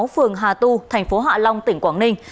phường hà tu thành phố hạ long tỉnh quảng ninh